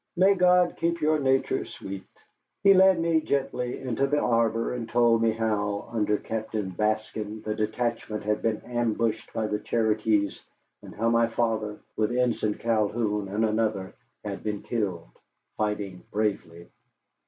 May God keep your nature sweet!" He led me gently into the arbor and told me how, under Captain Baskin, the detachment had been ambushed by the Cherokees; and how my father, with Ensign Calhoun and another, had been killed, fighting bravely.